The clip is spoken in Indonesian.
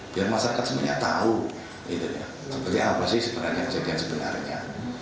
biar masyarakat sebenarnya tahu seperti apa sih sebenarnya kejadian sebenarnya